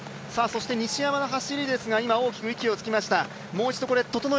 西山の走りですが大きく息をつきました。